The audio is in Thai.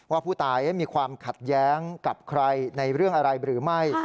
ว่าผู้ตายมีความขัดแย้งกับใครในเรื่องอะไรหรือไม่